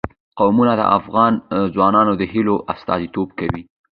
قومونه د افغان ځوانانو د هیلو استازیتوب کوي.